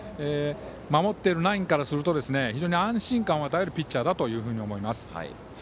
守っているナインからすると非常に安心感を与えるピッチャーだと思います。